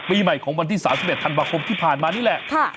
ปีใหม่ของวันที่สามสิบเอ็ดธันวาคมที่ผ่านมานี่แหละค่ะ